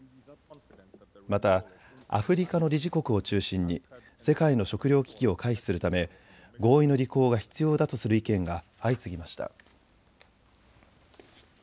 またアフリカの理事国を中心に世界の食料危機を回避するため合意の履行が必要だとする意見が相次ぎました。